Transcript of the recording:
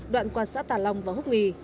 đoạn quan sát tà long và húc nghì